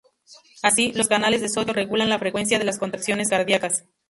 Así, los canales de sodio regulan la frecuencia de las contracciones cardíacas.